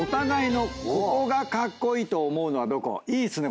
いいっすね